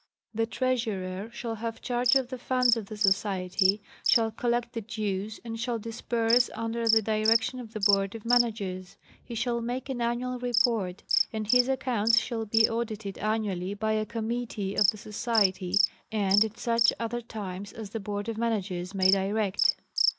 The Treasurer shall have charge of the funds of the Society, shall collect the dues, and shall disburse under the direction of the Board of Managers; he shall make an annual report ; and his accounts shall be audited annually by a committee of the Society and at.such other times as the Board of Managers may direct.